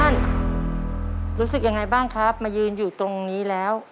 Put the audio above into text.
รู้สึกยังไงบ้างครับมายืนอยู่ตรงนี้แล้ว